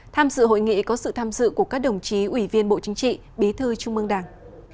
tham dự hội nghị có sự tham dự của các đồng chí ủy viên bộ chính trị bí thư trung mương đảng